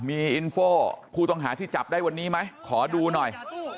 มีอินโฟผู้ต้องหาที่จับได้วันนี้ไหมขอดูหน่อย